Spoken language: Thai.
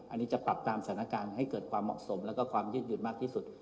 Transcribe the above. อันนี้จะปรับตามสถานการณ์ให้เกิดความเหมาะสมแล้วก็ความยืดยืนมากที่สุด